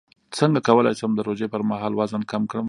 څنګه کولی شم د روژې پر مهال وزن کم کړم